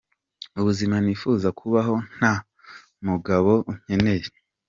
Ubuzima nifuza kubaho nta mugabo nkeneye’.